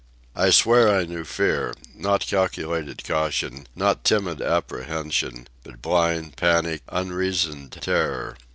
I swear I knew fear—not calculated caution, not timid apprehension, but blind, panic, unreasoned terror.